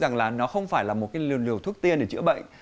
nó không phải là một cái liều thuốc tiên để chữa bệnh